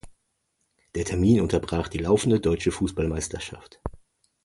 Der Termin unterbrach die laufende deutsche Fußballmeisterschaft.